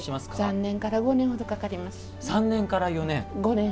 ３年から５年ほどかかります。